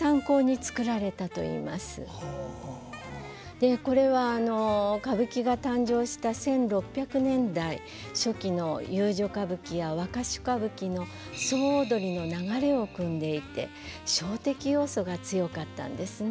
でこれは歌舞伎が誕生した１６００年代初期の遊女歌舞伎や若衆歌舞伎の総踊りの流れをくんでいてショー的要素が強かったんですね。